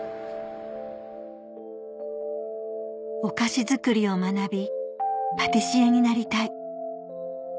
「お菓子作りを学びパティシエになりたい」